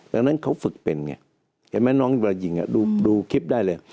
ดังนั้นเขาฝึกเป็นไงเห็นไหมน้องเวลายิงดูคลิปได้เลย